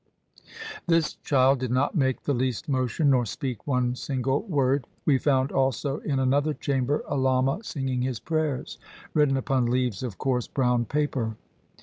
This child did not make the least motion nor speak one single word. We found also in another chamber a lama singing his prayers, written upon leaves of coarse brown paper.